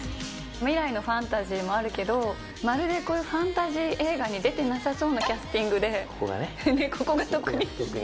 未来のファンタジーもあるけど、まるでこういうファンタジー映画に出てなさそうなキャスティここがね。